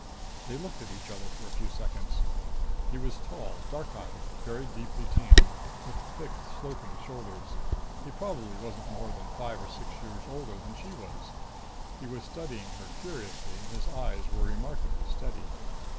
They looked at each other for a few seconds. He was tall, dark eyed, very deeply tanned, with thick sloping shoulders. He probably wasn't more than five or six years older than she was. He was studying her curiously, and his eyes were remarkably steady.